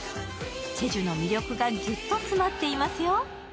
チェジュの魅力がギュッと詰まっていますよ。